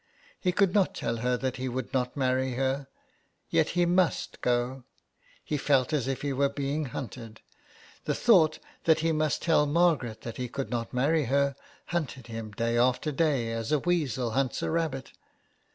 He could not tell her that he would not marry her ... yet he must go. He felt as if he were being hunted ; the thought that he must tell Margaret that he could not marry her hunted him day after day as a weasel hunts a rabbit.